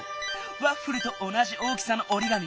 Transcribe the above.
ワッフルとおなじ大きさのおりがみ。